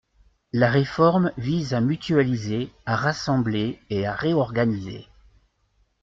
La réforme vise à mutualiser, à rassembler et à réorganiser.